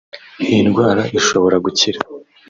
iyi ndwara ishobora gukira